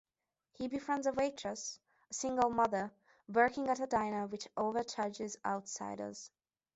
He befriends a waitress, a single mother, working at a diner which overcharges outsiders.